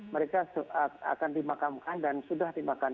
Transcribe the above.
mereka akan dimakamkan dan sudah dimakamkan